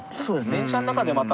電車の中でまた。